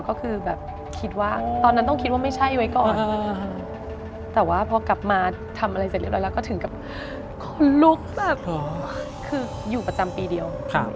ก็คือแบบคิดว่าตอนนั้นต้องคิดว่าไม่ใช่ไว้ก่อนแต่ว่าพอกลับมาทำอะไรเสร็จเรียบร้อยแล้วก็ถึงกับคนลุกแบบคืออยู่ประจำปีเดียว